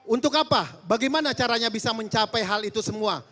untuk apa bagaimana caranya bisa mencapai hal itu semua